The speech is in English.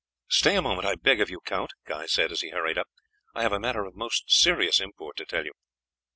"Stay a moment I beg of you, Count," Guy said as he hurried up, "I have a matter of most serious import to tell you."